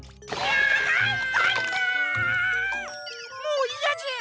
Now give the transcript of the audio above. もういやじゃ。